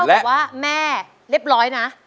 เท่ากับว่าแม่เรียบร้อยนะ